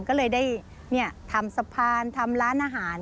ก็เลยได้ทำสะพานทำร้านอาหาร